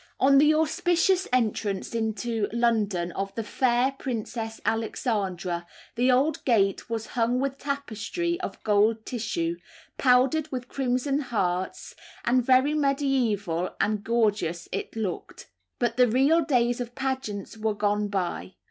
On the auspicious entrance into London of the fair Princess Alexandra, the old gate was hung with tapestry of gold tissue, powdered with crimson hearts; and very mediæval and gorgeous it looked; but the real days of pageants are gone by.